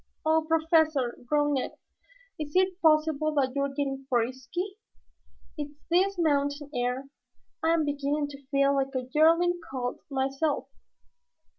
"Oh, Professor!" groaned Ned. "Is it possible that you are getting frisky? It's this mountain air. I am beginning to feel like a yearling colt myself."